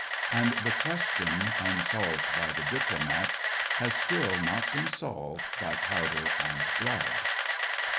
And the question, unsolved by the diplomats, has still not been solved by powder and blood.